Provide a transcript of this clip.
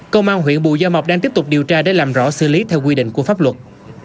công an huyện bù gia mọc đang tiếp tục điều tra để làm rõ xử lý theo quy định của pháp luật